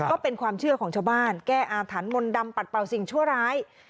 ก็เป็นความเชื่อของชาวบ้านแก้อาถรรพ์มนต์ดำปัดเป่าสิ่งชั่วร้าย